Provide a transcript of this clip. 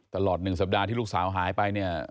ตลอด๑สัปดาห์ที่ลูกสาวหายไปเนี่ย